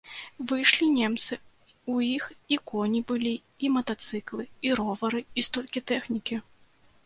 Выйшлі немцы, у іх і коні былі, і матацыклы, і ровары, і столькі тэхнікі.